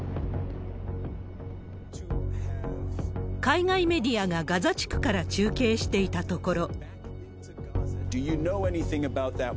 海外メディアがガザ地区から中継していたところ。